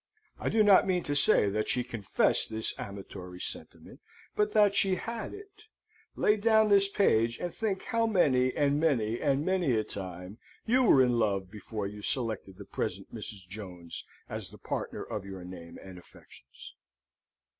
I do not mean to say that she confessed this amatory sentiment, but that she had it. Lay down this page, and think how many and many and many a time you were in love before you selected the present Mrs. Jones as the partner of your name and affections!